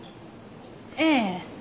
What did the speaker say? ええ。